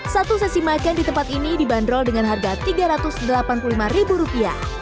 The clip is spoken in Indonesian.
satu sesi makan di tempat ini dibanderol dengan harga rp tiga ratus delapan puluh lima